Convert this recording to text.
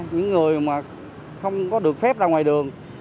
những người mà không có được phép ra ngoài đường